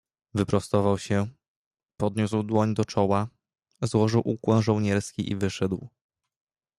"Wyprostował się, podniósł dłoń do czoła, złożył ukłon żołnierski i wyszedł."